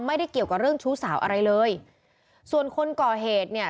ไม่ได้เกี่ยวกับเรื่องชู้สาวอะไรเลยส่วนคนก่อเหตุเนี่ย